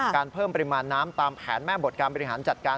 เพิ่มปริมาณน้ำตามแผนแม่บทการบริหารจัดการ